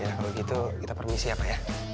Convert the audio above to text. ya kalau gitu kita permisi apa ya